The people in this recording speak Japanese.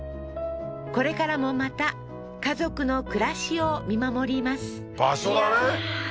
これからもまた家族の暮らしを見守ります場所だねいやー